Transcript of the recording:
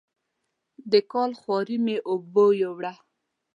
د کال خواري مې اوبو یووړه.